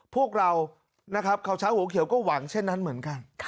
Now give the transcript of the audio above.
พวกเรานะครับข่าวเช้าหัวเขียวก็หวังเช่นนั้นเหมือนกัน